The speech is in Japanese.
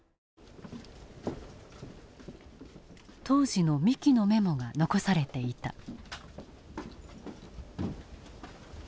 当時の三木のメモが残されていた。